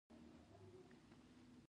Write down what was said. د لغمان د نښتر غار د بودا د مراقبې ځای و